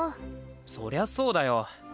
そりゃそうだよ。